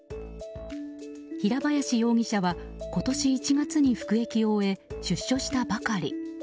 平林容疑者は今年１月に服役を終え出所したばかり。